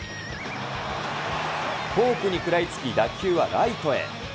フォークに食らいつき、打球はライトへ。